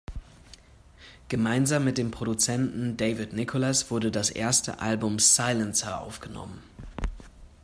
Gemeinsam mit dem Produzenten David Nicholas wurde das erste Album "Silencer" aufgenommen.